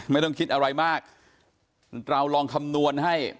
ไม่ต้องคิดอะไรมากเราลองคำนวณให้